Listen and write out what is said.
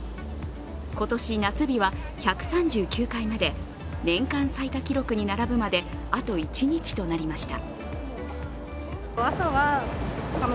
今年、夏日は１３９回目で、年間最多記録に並ぶまであと一日となりました。